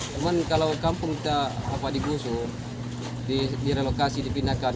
cuma kalau kampung kita dikhusu direlokasi dipindahkan